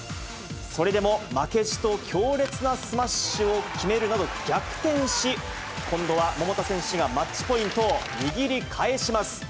それでも負けじと強烈なスマッシュを決めるなど、逆転し、今度は桃田選手がマッチポイントを握り返します。